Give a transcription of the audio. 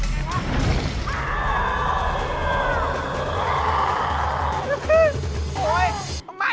อย่าเข้ามา